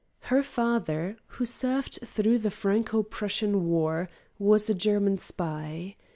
Her father, who served through the Franco Prussian War, was a German spy.